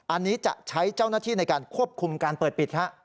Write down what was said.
อันนี้จะใช้เจ้าหน้าที่ในการควบคุมการเปิดปิด